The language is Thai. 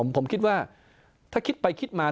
ผมคิดว่าถ้าคิดไปคิดมา